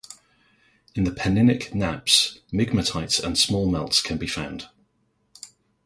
In the Penninic nappes migmatites and small melts can be found.